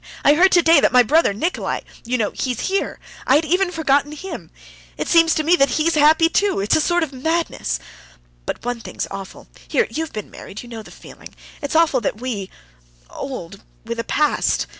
I heard today that my brother Nikolay ... you know, he's here ... I had even forgotten him. It seems to me that he's happy too. It's a sort of madness. But one thing's awful.... Here, you've been married, you know the feeling ... it's awful that we—old—with a past